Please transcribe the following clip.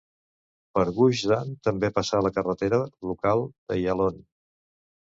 Per Gush Dan també passa la carretera local d'Ayalon.